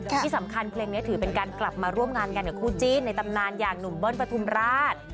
ที่สำคัญเพลงนี้ถือเป็นการกลับมาร่วมงานกันกับคู่จิ้นในตำนานอย่างหนุ่มเบิ้ลปฐุมราช